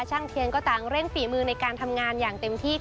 เทียนก็ต่างเร่งฝีมือในการทำงานอย่างเต็มที่